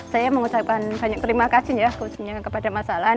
saya mengucapkan banyak terima kasih ya khususnya kepada mas alan